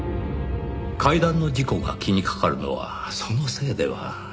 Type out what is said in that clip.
階段の事故が気にかかるのはそのせいでは？